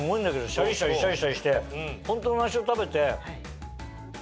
シャリシャリシャリシャリしてホントの梨を食べて。